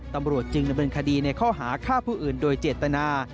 ตำรวจจึงดำเนินคดีในข้อหาฆ่าผู้อื่นโดยเจตนา